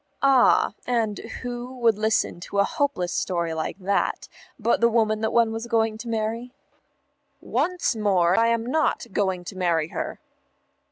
"Ah, and who would listen to a hopeless story like that, but the woman one was going to marry?" "Once more, I am not going to marry her."